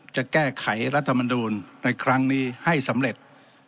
จะแก้ไขรัฐมนูลในครั้งนี้ให้สำเร็จ